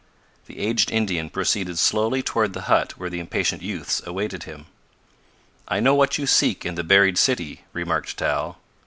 The aged Indian proceeded slowly toward the hut where the impatient youths awaited him. "I know what you seek in the buried city," remarked Tal.